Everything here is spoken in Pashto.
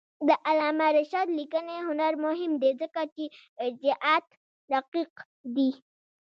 د علامه رشاد لیکنی هنر مهم دی ځکه چې ارجاعات دقیق دي.